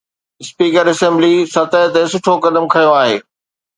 Speaker assembly سطح تي سٺو قدم کنيو آهي.